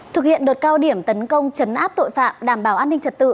thực hiện đợt cao điểm tấn công chấn áp tội phạm đảm bảo an ninh trật tự